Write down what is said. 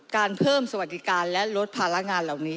การเพิ่มสวัสดิการและลดภาระงานเหล่านี้